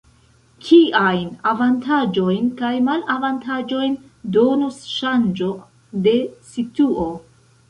Kiajn avantaĝojn kaj malavantaĝojn donus ŝanĝo de situo?